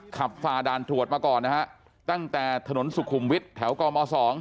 ฝ่าด่านตรวจมาก่อนนะฮะตั้งแต่ถนนสุขุมวิทย์แถวกม๒